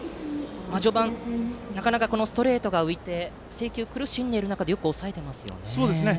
序盤はなかなかストレートが浮いて制球に苦しんでいる中よく抑えていますね。